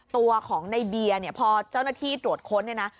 ตัวของในเบียร์เนี่ยพอเจ้าหน้าที่ตรวจค้นเนี่ยนะ